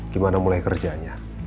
gimana mulai kerjanya